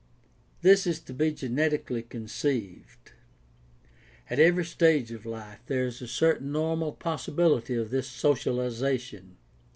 This is to be genetically conceived. At every stage of life there is a certain normal possibility of this socialization.